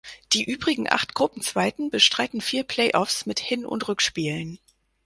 Die übrigen acht Gruppenzweiten bestreiten vier Play-Offs mit Hin- und Rückspielen.